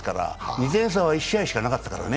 ２点差は１試合しかなかったからね。